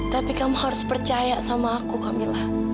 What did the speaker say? tapi kamu harus percaya sama aku kamila